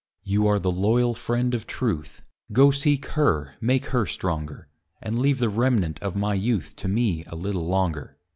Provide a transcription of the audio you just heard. You are the loyal friend of Truth, Go seek her, make her stronger, And leave the remnant of my youth To me a little longer.